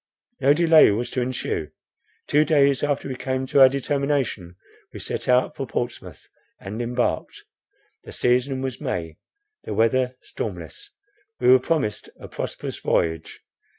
No delay was to ensue. Two days after we came to our determination, we set out for Portsmouth, and embarked. The season was May, the weather stormless; we were promised a prosperous voyage.